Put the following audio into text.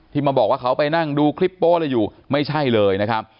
มาบอกว่าเขาไปนั่งดูคลิปโป๊ะอะไรอยู่ไม่ใช่เลยนะครับ